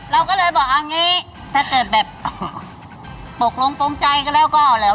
เราก็เลยบอกเอาอย่างนี้ถ้าเกิดแบบปกลงปงใจก็แล้วก็เอาแล้ว